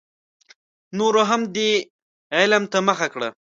نورو هم دې علم ته مخه کړه.